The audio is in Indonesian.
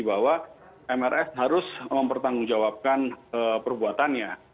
bahwa mrs harus mempertanggungjawabkan perbuatannya